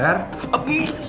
kenapa pak rega